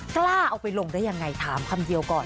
กล้าเอาไปลงได้ยังไงถามคำเดียวก่อน